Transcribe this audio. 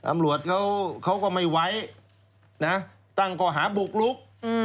ตำรวจเขาก็ไม่ไว้นะตั้งก่อหาบุกลุก